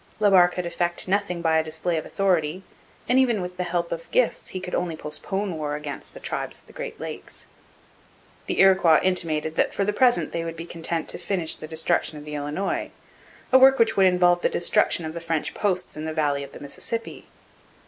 La Barre could effect nothing by a display of authority, and even with the help of gifts he could only postpone war against the tribes of the Great Lakes. The Iroquois intimated that for the present they would be content to finish the destruction of the Illinois a work which would involve the destruction of the French posts in the valley of the Mississippi.